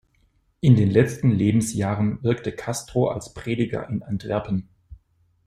In den letzten Lebensjahren wirkte Castro als Prediger in Antwerpen.